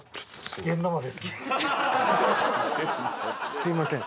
すいません。